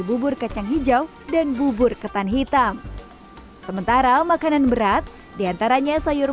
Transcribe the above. bubur kacang hijau dan bubur ketan hitam sementara makanan berat diantaranya sayur